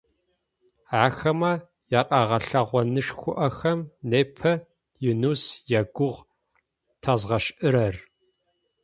Ахэмэ якъэгъэлъэгъонышӏухэм непэ Юнус ягугъу тэзгъэшӏырэр.